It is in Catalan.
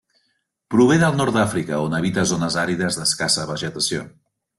Prové del nord d'Àfrica, on habita zones àrides d'escassa vegetació.